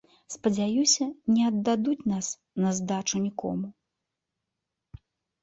Спадзяюся, не аддадуць нас на здачу нікому.